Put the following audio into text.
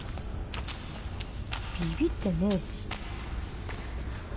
ビビってねえし。